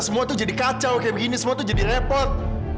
semua itu jadi kacau kayak begini semua itu jadi repot